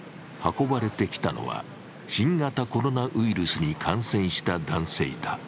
運ばれてきたのは新型コロナウイルスに感染した男性だ。